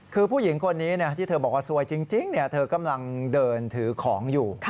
คือผู้หญิงคนนี้ที่เธอบอกว่าซวยจริงเธอกำลังเดินถือของอยู่